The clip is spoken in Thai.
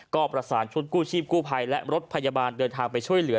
ก็ประสานชุดกู้ชีพกู้ภัยและรถพยาบาลเดินทางไปช่วยเหลือ